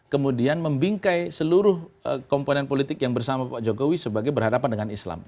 kemudian membingkai seluruh komponen politik yang bersama pak jokowi sebagai berhadapan dengan islam